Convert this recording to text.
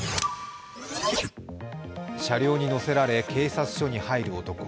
車両に乗せられ警察署に入る男。